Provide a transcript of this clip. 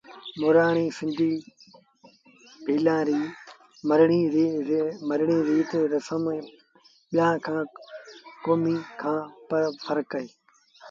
مورآڻي سنڌيٚ ڀيٚلآݩ ري مرڻي ريٚ ريٚت رسم با ٻيٚآݩ ڪوميݩ کآݩ ڦرڪ اهي